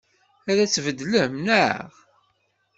Ad tt-tbeddlem, naɣ?